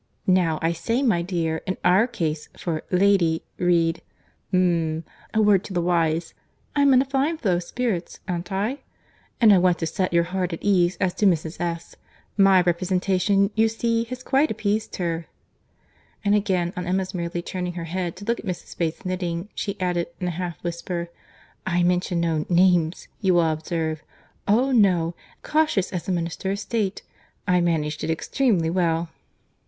Now I say, my dear, in our case, for lady, read——mum! a word to the wise.—I am in a fine flow of spirits, an't I? But I want to set your heart at ease as to Mrs. S.—My representation, you see, has quite appeased her." And again, on Emma's merely turning her head to look at Mrs. Bates's knitting, she added, in a half whisper, "I mentioned no names, you will observe.—Oh! no; cautious as a minister of state. I managed it extremely well."